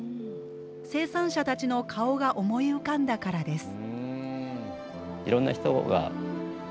生産者たちの顔が思い浮かんだからです。